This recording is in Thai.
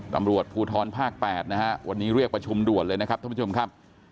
ตำรวจภูทรภาค๘นะฮะวันนี้เรียกประชุมด่วนเลยนะครับท่านผู้ชมครับ